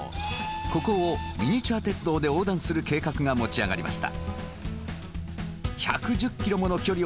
ここをミニチュア鉄道で横断する計画が持ち上がりました。